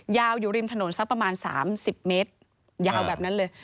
ยาวอยู่ริมถนนสักประมาณ๓๐เมตรยาวแบบนั้นเลย